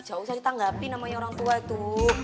jauh saja tanggapi namanya orang tua itu